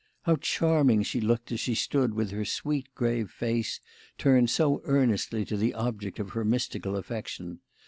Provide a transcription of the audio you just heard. How charming she looked as she stood with her sweet, grave face turned so earnestly to the object of her mystical affection!